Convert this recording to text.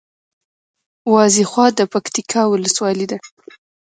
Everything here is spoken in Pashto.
وازېخواه د پکتیکا ولسوالي ده